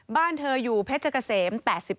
บ้านเธออยู่เพชรเกษม๘๔